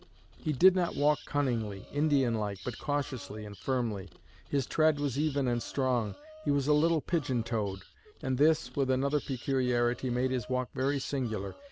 'He did not walk cunningly Indian like but cautiously and firmly.' His tread was even and strong. He was a little pigeon toed; and this, with another peculiarity, made his walk very singular.